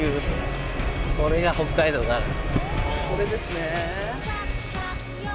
これですね。